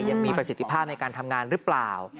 ยังมีประสิทธิภาพในการทำงานหรือเปล่า